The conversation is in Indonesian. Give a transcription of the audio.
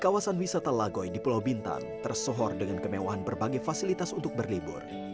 kawasan wisata lagoy di pulau bintang tersohor dengan kemewahan berbagai fasilitas untuk berlibur